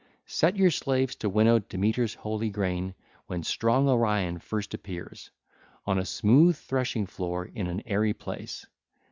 (ll. 597 608) Set your slaves to winnow Demeter's holy grain, when strong Orion 1328 first appears, on a smooth threshing floor in an airy place.